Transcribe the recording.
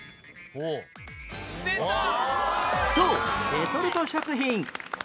そうレトルト食品